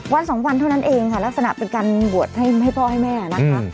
วันสองวันเท่านั้นเองค่ะลักษณะเป็นการบวชให้พ่อให้แม่นะคะ